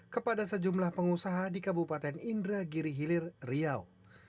kepada sejumlah pengusaha di kabupaten indra giri hilir riau